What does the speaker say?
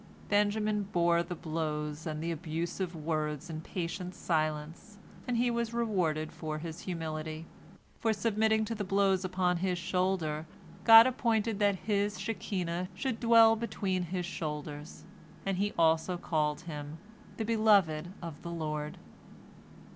Benjamin bore the blows and the abusive words in patient silence, and he was rewarded for his humility. For submitting to the blows upon his shoulder, God appointed that His Shekinah should "dwell between his shoulders," and He also called him "the beloved of the Lord."